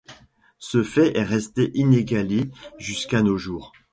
Ce fait est resté inégalé jusqu'à nos jours.